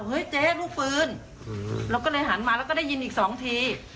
เจ๊ลูกปืนเราก็เลยหันมาแล้วก็ได้ยินอีกสองที